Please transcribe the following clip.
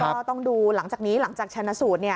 ก็ต้องดูหลังจากนี้หลังจากชนะสูตร